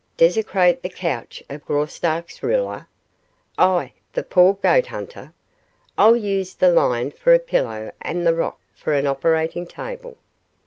Desecrate the couch of Graustark's ruler? I, the poor goat hunter? I'll use the lion for a pillow and the rock for an operating table.